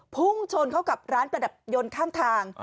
พุ่งชนเข้ากับร้านประดับยนต์ข้างทาง